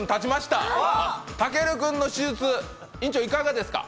たける君の施術、院長、いかがですか？